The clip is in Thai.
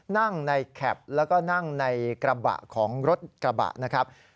นั่งในแคร็ปแล้วก็นั่งในกระบะของรถกระบะ